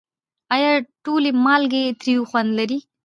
آیا ټولې مالګې تریو خوند لري؟